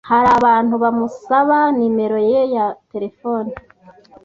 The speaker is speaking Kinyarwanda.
hari abantu bamusaba nimero ye ya telefoni